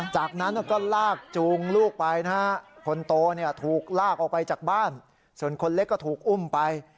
จากนั้นก็ลากจูงลูกไปนะฮะคนโตเนี่ยถูกลากออกไปจากบ้านส่วนคนเล็กก็ถูกอุ้มไป